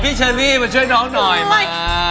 พี่ฉินลี่มาช่วยน้องหน่อยมา